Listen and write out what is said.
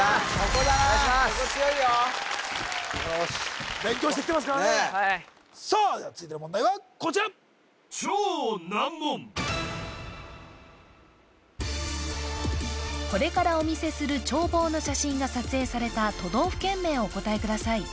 ここ強いよよしさあでは続いての問題はこちらこれからお見せする眺望の写真が撮影された都道府県名をお答えください